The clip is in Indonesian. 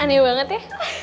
aneh banget ya